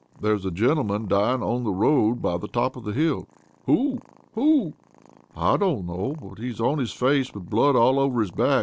"There is a gentleman dying on the road by the top of the hill!" "Who? Who?" "I don't know, but he's on his face with blood all over his back.